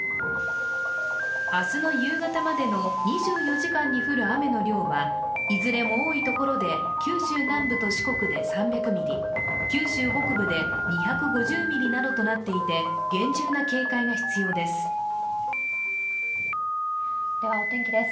明日の夕方までの２４時間に降る雨の量はいずれも多いところで九州南部と四国で３００ミリ、九州北部で２５０ミリなどとなっていて厳重な警戒が必要です。